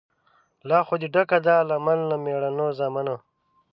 لا خو دي ډکه ده لمن له مېړنو زامنو